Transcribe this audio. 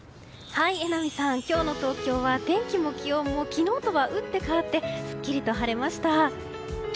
今日の東京は天気も気温も昨日とは打って変わってすっきりと晴れました。